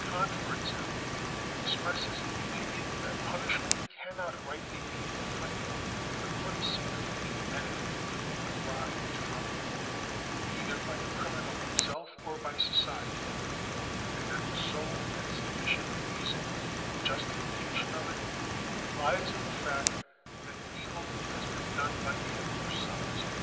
Kant, for example, expresses the opinion that punishment cannot rightly be inflicted for the sake of any benefit to be derived from it either by the criminal himself or by society, and that the sole and sufficient reason and justification of it lies in the fact that evil has been done by him who suffers it.